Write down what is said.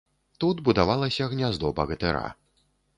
Тут будавалася гняздо багатыра.